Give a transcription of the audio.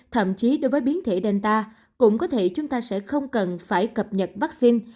thậm chí đối với biến thể danta cũng có thể chúng ta sẽ không cần phải cập nhật vaccine